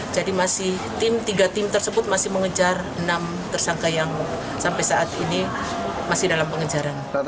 jadi masih tim tiga tim tersebut masih mengejar enam tersangka yang sampai saat ini masih dalam pengejaran